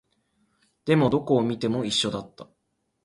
でも、どこを見ても一緒だった